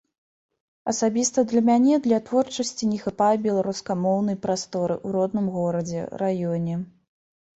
Асабіста для мяне для творчасці не хапае беларускамоўнай прасторы ў родным горадзе, раёне.